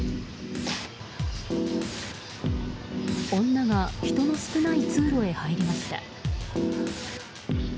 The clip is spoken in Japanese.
女が人の少ない通路へ入りました。